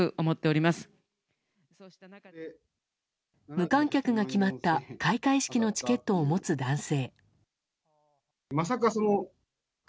無観客が決まった開会式のチケットを持つ男性。